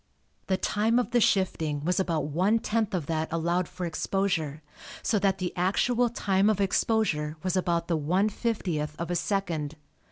The time of the shifting was about one tenth of that allowed for exposure, so that the actual time of exposure was about the one fiftieth of a second.